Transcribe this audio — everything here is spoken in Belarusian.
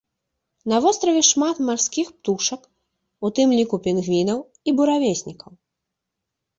На востраве шмат марскіх птушак, у тым ліку пінгвінаў і буравеснікаў.